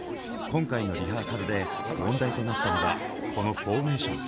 今回のリハーサルで問題となったのがこのフォーメーション。